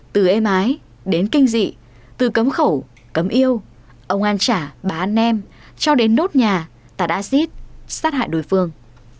từ êm ái đến kinh dị từ cấm khẩu cấm yêu ông ăn trả bà ăn nem cho đến nốt nhà ta đã giết sát hại đối phương